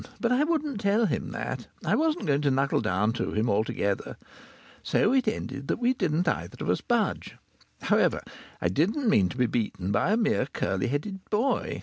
But I wouldn't tell him that. I wasn't going to knuckle down to him altogether. So it ended that we didn't either of us budge. However, I didn't mean to be beaten by a mere curly headed boy.